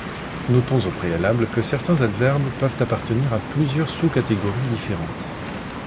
Notons au préalable que certains adverbes peuvent appartenir à plusieurs sous-catégories différentes.